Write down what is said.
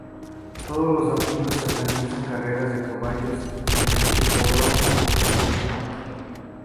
Todos los domingos se organizan carreras de caballos en el Hipódromo de Tucumán.